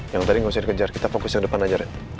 yang tadi nggak usah dikejar kita fokus yang depan aja